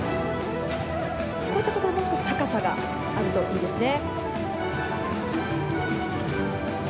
こういったところ、もう少し高さがあるといいですね。